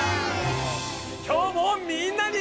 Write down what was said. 今日もみんなに。